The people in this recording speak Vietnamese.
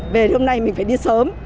về thì hôm nay mình phải đi sớm